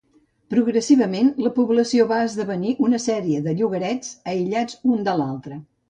Progressivament la població va esdevenir una sèrie de llogarets aïllats un de l'altra.